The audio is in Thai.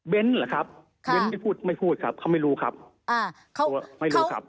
เบ้นท์เหรอครับเบ้นท์ไม่พูดครับเค้าไม่รู้ครับ